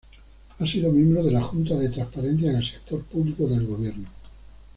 Ha sido miembro de la Junta de Transparencia del Sector Público del Gobierno.